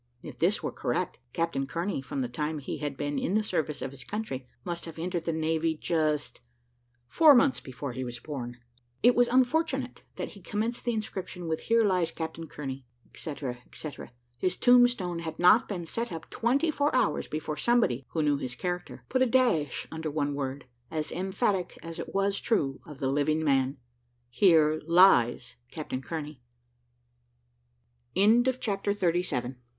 If this were correct, Captain Kearney, from the time that he had been in the service of his country, must have entered the navy just four months before he was born. It was unfortunate that he commenced the inscription with "Here lies Captain Kearney," etcetera, etcetera. His tombstone had not been set up twenty four hours, before somebody, who knew his character, put a dash under one word, as emphatic as it was true of the living man, "Here lies Captain Kearney." CHAPTER THIRTY EIGHT.